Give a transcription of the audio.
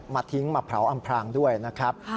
ทิ้งมาเผาอำพรางด้วยนะครับ